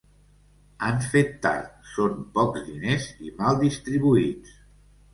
Han fet tard, són pocs diners i mal distribuïts.